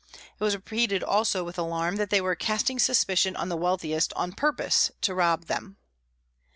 It was repeated also, with alarm, that they were casting suspicion on the wealthiest on purpose to rob them.